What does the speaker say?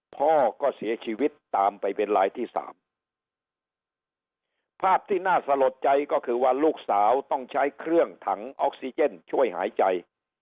พ่อก็เสียชีวิตตามไปเป็นลายที่สามภาพที่น่าสลดใจก็คือว่าลูกสาวต้องใช้เครื่องถังออกซิเจนช่วยหายใจ